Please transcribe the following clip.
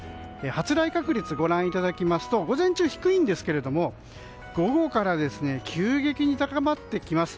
発雷確率ご覧いただきますと午前中は低いんですが午後から急激に高まってきます。